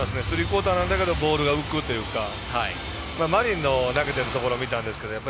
スリークオーターなんだけれどもボールが浮くというか前に投げているところを見たんです。